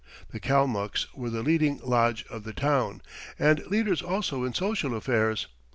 The Kalmucks were the leading lodge of the town, and leaders also in social affairs.